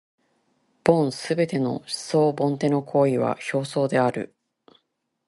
凡すべての思想凡ての行為は表象である。